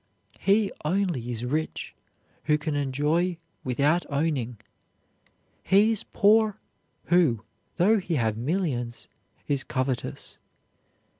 He only is rich who can enjoy without owning; he is poor who though he have millions is covetous.